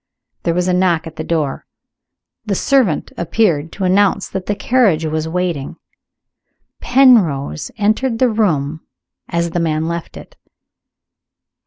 There was a knock at the door. The servant appeared, to announce that the carriage was waiting. Penrose entered the room as the man left it.